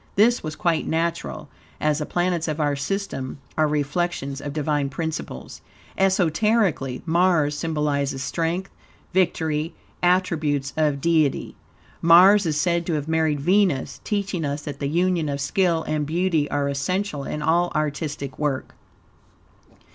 This was quite natural, as the planets of our system are reflections of Divine principles. Esoterically, Mars symbolizes strength, victory attributes of Deity. Mars is said to have married Venus, teaching us that the union of skill and beauty are essential in all artistic work.